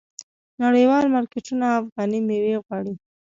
نړیوال مارکیټونه افغاني میوې غواړي.